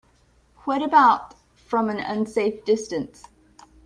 What about from an unsafe distance?